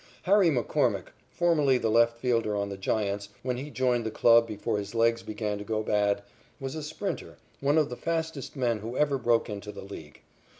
Harry McCormick, formerly the left fielder on the Giants, when he joined the club before his legs began to go bad, was a sprinter, one of the fastest men who ever broke into the League.